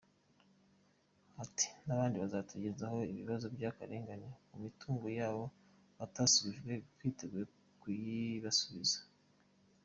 Ati″N’abandi bazatugezaho ibibazo by’akarengane ku mitungo yabo batasubijwe twiteguye kuyibasubiza.